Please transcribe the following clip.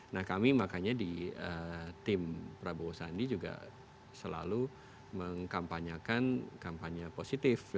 nah kami makanya di tim prabowo sandi juga selalu mengkampanyekan kampanye positif